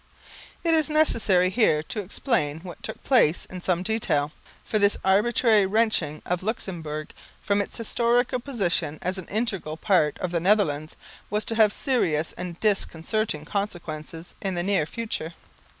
It is necessary here to explain what took place in some detail, for this arbitrary wrenching of Luxemburg from its historical position as an integral part of the Netherlands was to have serious and disconcerting consequences in the near future.